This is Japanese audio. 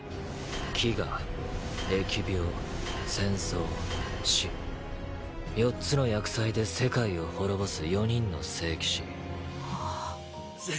飢餓疫病戦争死４つの厄災で世界を滅ぼす４人の聖騎士せ